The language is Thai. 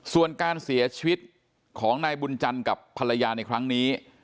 ส่วนการเสียชีวิตของนายบุญจันทร์กับภรรยาในครั้งนี้